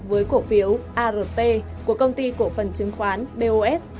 với cổ phiếu art của công ty cổ phần chứng khoán bos